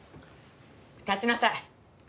立ちなさい。